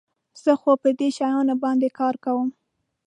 زه خو په دې شیانو باندي کار کوم.